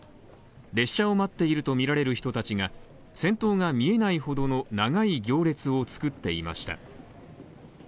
列車を待っているとみられる人たちが先頭が見えないほどの長い行列を作っていました。